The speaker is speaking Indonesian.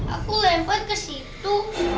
aku lempar kesitu